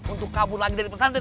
untuk kabur lagi dari pesantren